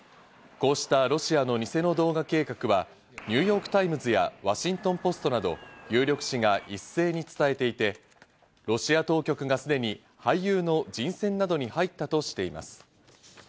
こうしたロシアの偽の動画計画はニューヨーク・タイムズやワシントンポストなど有力紙が一斉に伝えていて、ロシア当局がすでに俳優の人選などに入ったとしています。